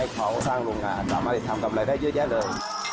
พอสร้างโรงงานลายได้ทำเรื่องกันได้เยอะแยะเลย